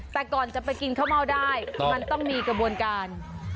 แต่ก่อนจะไปกินข้าวเม่าได้มันต้องมีกระบวนการ